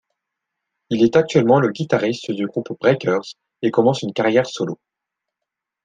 Il est actuellement le guitariste du groupe Breakerz et commence une carrière solo.